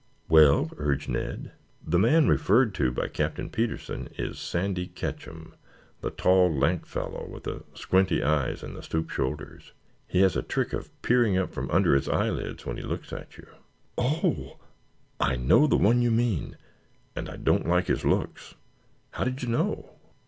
"Well?" urged Ned. "The man referred to by Captain Petersen is Sandy Ketcham, the tall, lank fellow, with the squinty eyes and the stoop shoulders. He has a trick of peering up from under his eyelids when he looks at you." "Oh! I know the one you mean, and I don't like his looks. How did you know?"